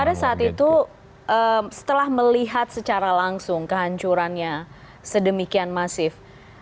pada saat itu setelah melihat secara langsung kehancurannya sedemikian masif